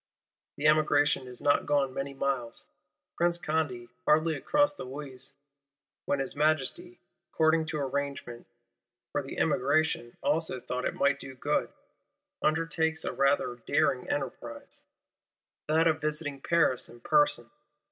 The Emigration is not gone many miles, Prince Condé hardly across the Oise, when his Majesty, according to arrangement, for the Emigration also thought it might do good,—undertakes a rather daring enterprise: that of visiting Paris in person.